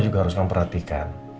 juga harus memperhatikan